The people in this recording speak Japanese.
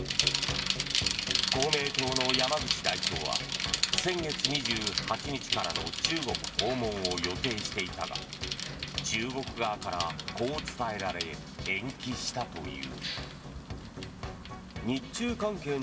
公明党の山口代表は先月２８日からの中国訪問を予定していたが中国側から、こう伝えられ延期したという。